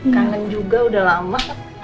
kangen juga udah lama